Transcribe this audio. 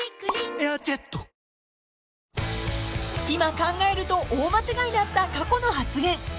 ［今考えると大間違いだった過去の発言］